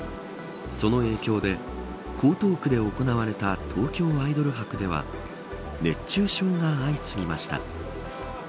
その影響で江東区で行われたＴＯＫＹＯアイドル博では熱中症が相次ぎました。